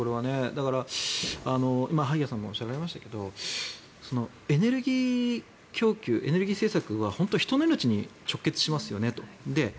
だから、今、萩谷さんもおっしゃられましたけどエネルギー供給エネルギー政策は人の命に直結しますよねと。